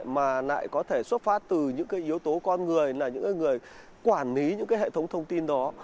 mà lại có thể xuất phát từ những yếu tố con người những người quản lý những hệ thống thông tin đó